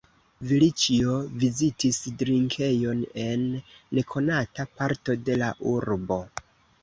Vilĉjo vizitis drinkejon en nekonata parto de la urbo.